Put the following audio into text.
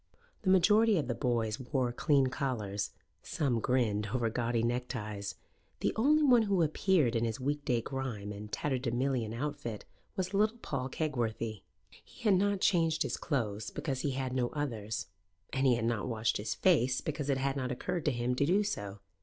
The majority of the boys wore clean collars; some grinned over gaudy neckties. The only one who appeared in his week day grime and tatterdemalion outfit was little Paul Kegworthy. He had not changed his clothes, because he had no others; and he had not washed his face, because it had not occurred to him to do so.